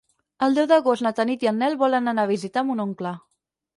El deu d'agost na Tanit i en Nel volen anar a visitar mon oncle.